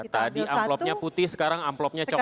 tadi amplopnya putih sekarang amplopnya coklat